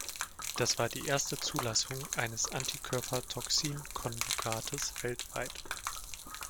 Das war die erste Zulassung eines Antikörper-Toxin-Konjugates weltweit.